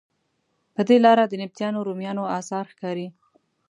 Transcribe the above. پر دې لاره د نبطیانو، رومیانو اثار ښکاري.